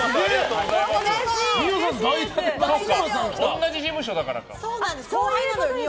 同じ事務所だからか。